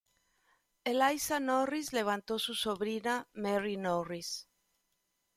Eliza Norris levantó su sobrina, Mary Norris.